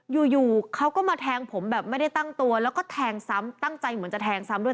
อยู่อยู่เขาก็มาแทงผมแบบไม่ได้ตั้งตัวแล้วก็แทงซ้ำตั้งใจเหมือนจะแทงซ้ำด้วย